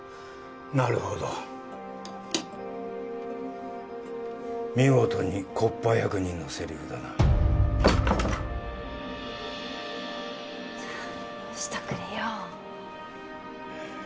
なるほど見事に木っ端役人のセリフだなよしとくれよ